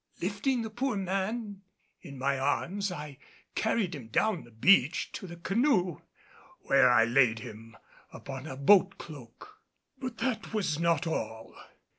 Lifting the poor gentleman in my arms I carried him down the beach to the canoe, where I laid him upon a boat cloak. But that was not all.